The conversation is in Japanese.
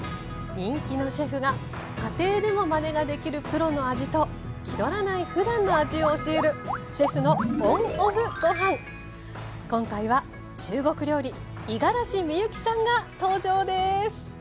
人気のシェフが家庭でもまねができるプロの味と気取らないふだんの味を教える今回は中国料理五十嵐美幸さんが登場です！